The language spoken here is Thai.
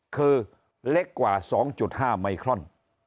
คือเล็กกว่า๒๕ไมครอน